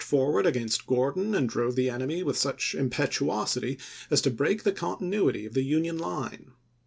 ' forward against Gordon and drove the enemy with such impetuousity as to break the continuity of the Union line.